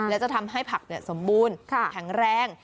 และจะทำให้ผักสมบูรณ์แข็งแรง